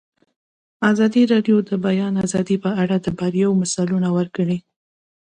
ازادي راډیو د د بیان آزادي په اړه د بریاوو مثالونه ورکړي.